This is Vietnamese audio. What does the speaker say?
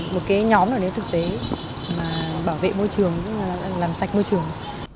một cái nhóm nào nếu thực tế mà bảo vệ môi trường làm sạch môi trường